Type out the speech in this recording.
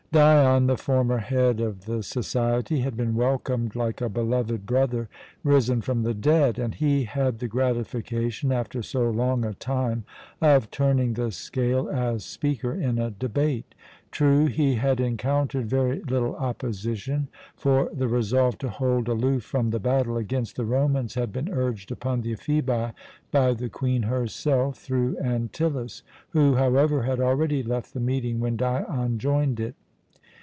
Dion, the former head of the society, had been welcomed like a beloved brother risen from the dead, and he had the gratification, after so long a time, of turning the scale as speaker in a debate. True, he had encountered very little opposition, for the resolve to hold aloof from the battle against the Romans had been urged upon the Ephebi by the Queen herself through Antyllus, who, however, had already left the meeting when Dion joined it.